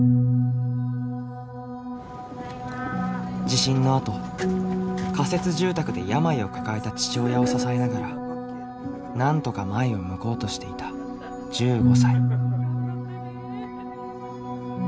地震のあと仮設住宅で病を抱えた父親を支えながらなんとか前を向こうとしていた１５歳。